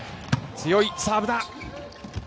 強いサーブだ。